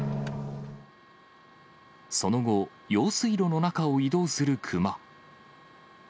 その後、用水路の中を移動するクマ。